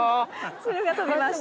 汁が飛びました。